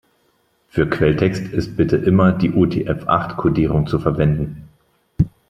Für Quelltext ist bitte immer die UTF-acht-Kodierung zu verwenden.